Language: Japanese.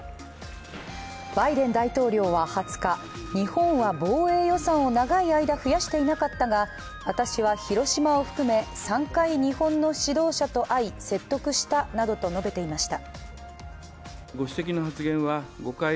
バイデン大統領は２０日、日本は防衛予算を長い間、増やしていなかったが私は広島を含め３回日本の指導者と会い、説得したなどと述べていました。